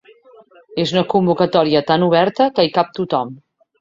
És una convocatòria tan oberta que hi cap tothom.